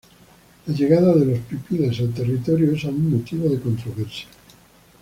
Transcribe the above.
La llegada de los pipiles al territorio es aún motivo de controversia.